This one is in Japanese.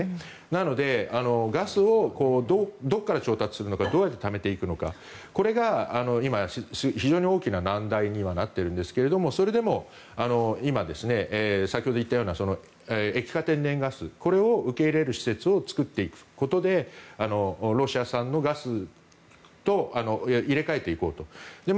なので、ガスをどこから調達するのかどうやってためていくのかこれが今、非常に大きな難題にはなっているんですがそれでも今、先ほど言ったような液化天然ガスこれを受け入れる施設を作っていくことでロシア産のガスと入れ替えていこうと。